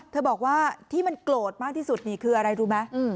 บอกว่าที่มันโกรธมากที่สุดนี่คืออะไรรู้ไหม